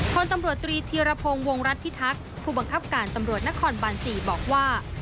คนตำรวจตรีธีรพงศ์วงรัฐพิทักษ์ผู้บังคับการตำรวจนครบาน๔บอกว่า